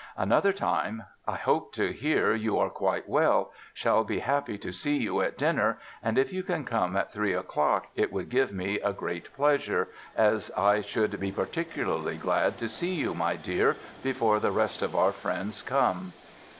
Another time: "... I hope to hear you are quite well, shall be happy to see you at dinner and if you can come at three o'clock it would give me great pleasure, as I should be particularly glad to see you my Dear before the rest of our friends come."